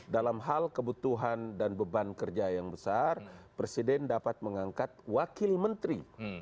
dalam hal kebutuhan dan beban kerja yang besar presiden dapat mengangkat wakil menteri